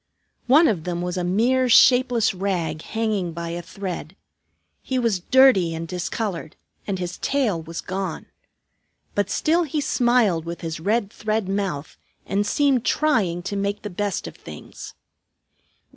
One of them was a mere shapeless rag hanging by a thread. He was dirty and discolored, and his tail was gone. But still he smiled with his red thread mouth and seemed trying to make the best of things.